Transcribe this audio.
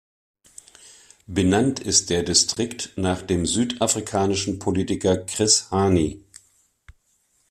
Benannt ist der Distrikt nach dem südafrikanischen Politiker Chris Hani.